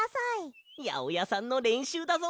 やおやさんのれんしゅうだぞ。